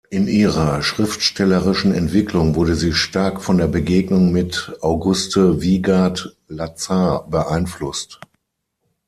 In ihrer schriftstellerischen Entwicklung wurde sie stark von der Begegnung mit Auguste Wieghardt-Lazar beeinflusst.